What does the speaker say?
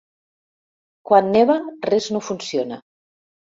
Quan neva res no funciona.